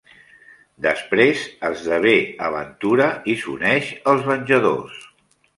Després esdevé aventura i s'uneix als Venjadors.